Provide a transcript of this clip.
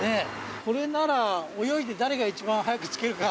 これなら泳いで誰が一番早く着けるか。